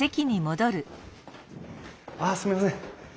あすみません。